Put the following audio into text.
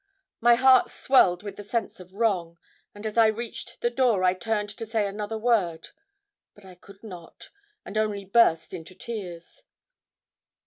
My heart swelled with the sense of wrong, and as I reached the door I turned to say another word, but I could not, and only burst into tears.